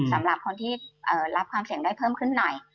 สำหรับคนที่รับความเสี่ยงได้เพิ่มขึ้นหน่อย